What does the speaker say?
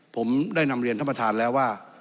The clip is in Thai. ผมได้นำเรียนท่านประธานแล้วว่า